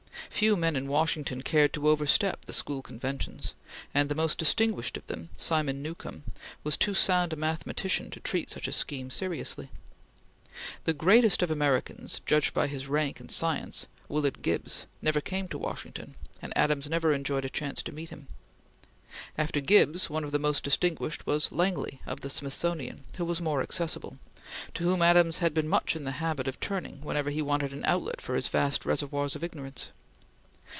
Few men in Washington cared to overstep the school conventions, and the most distinguished of them, Simon Newcomb, was too sound a mathematician to treat such a scheme seriously. The greatest of Americans, judged by his rank in science, Willard Gibbs, never came to Washington, and Adams never enjoyed a chance to meet him. After Gibbs, one of the most distinguished was Langley, of the Smithsonian, who was more accessible, to whom Adams had been much in the habit of turning whenever he wanted an outlet for his vast reservoirs of ignorance.